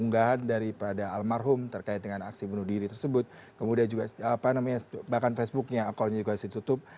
unggahan daripada almarhum terkait dengan aksi bunuh diri tersebut kemudian juga bahkan facebooknya akunnya juga sudah ditutup